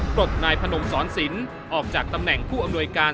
ปลดนายพนมสอนศิลป์ออกจากตำแหน่งผู้อำนวยการ